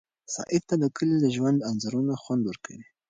سعید ته د کلي د ژوند انځورونه خوند ورکوي.